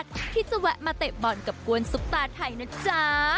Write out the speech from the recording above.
ไม่พลาดที่จะแวะมาเตะบอลกับกวนสุขตาไทยนะจ๊ะ